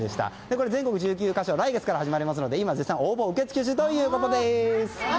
これ、全国１９か所来月から始まりますので今、絶賛応募受付中だということです。